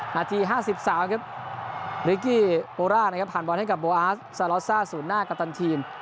นาทีห้าสิบสามนะครับฮันบอนให้กับสูนหน้ากัปตันทีม